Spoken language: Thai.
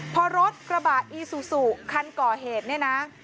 พอรถกระบะอีซูซูคันก่อเหตุเนี่ยนะ